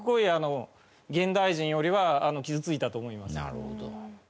なるほど。